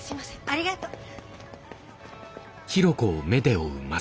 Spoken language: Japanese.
ありがとう。